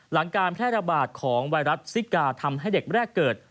การแพร่ระบาดของไวรัสซิกาทำให้เด็กแรกเกิด